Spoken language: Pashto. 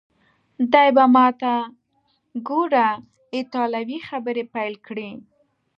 دی په ماته ګوډه ایټالوي خبرې پیل کړې.